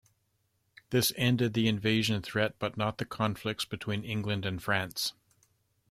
This ended the invasion threat but not the conflicts between England and France.